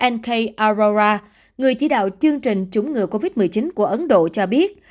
n k arora người chỉ đạo chương trình chủng ngừa covid một mươi chín của ấn độ cho biết